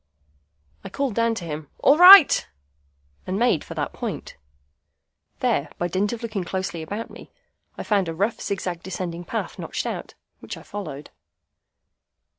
I called down to him, "All right!" and made for that point. There, by dint of looking closely about me, I found a rough zigzag descending path notched out, which I followed.